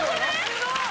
すごい！